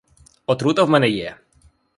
Отрута в мене є!